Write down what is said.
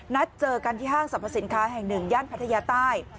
นัดเจอกันที่ห้างสรรพสินค้าแห่งหนึ่งย่านพัทยาใต้